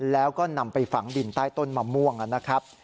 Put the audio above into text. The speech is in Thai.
แล้วก็นำไปฝังดินใต้ต้นมะม่วงนะครับ